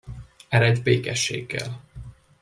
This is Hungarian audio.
Eredj békességgel!